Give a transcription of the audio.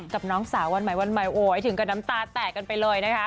กับน้องสาววันใหม่วันใหม่โอ้ยถึงกับน้ำตาแตกกันไปเลยนะคะ